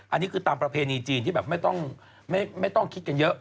อันนี้คือตามประเพณีจีนที่แบบไม่ต้องคิดกันเยอะ